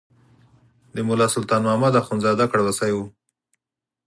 د ملا سلطان محمد اخندزاده کړوسی و.